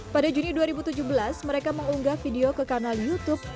pada juni dua ribu tujuh belas mereka mengunggah video ke kanal youtube